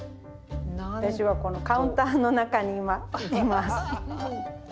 私はこのカウンターの中に今います。